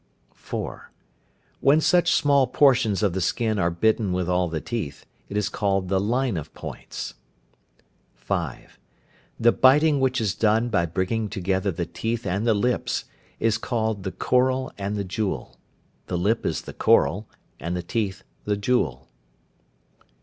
(4). When such small portions of the skin are bitten with all the teeth, it is called the "line of points." (5). The biting which is done by bringing together the teeth and the lips, is called the "coral and the jewel." The lip is the coral, and the teeth the jewel.